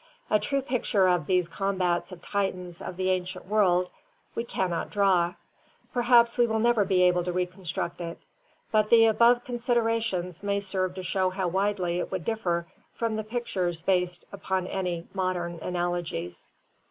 A true picture of these combats of titans of the ancient world we cannot draw; perhaps we will never be able to reconstruct it. But the above considerations may serve to show how widely it would differ from the pictures based upon any modern analogies.